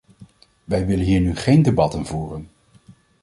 Wij willen hier nu geen debatten voeren!